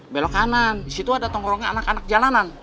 belok kanan disitu ada tongkrongnya anak anak jalanan